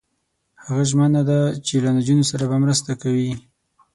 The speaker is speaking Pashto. هغه ژمنه ده چې له نجونو سره به مرسته کوي.